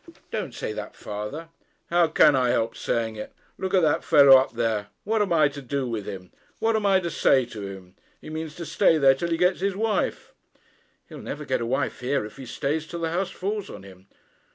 'Don't say that, father.' 'How can I help saying it? Look at that fellow up there. What am I to do with him? What am I to say to him? He means to stay there till he gets his wife.' 'He'll never get a wife here, if he stays till the house falls on him.'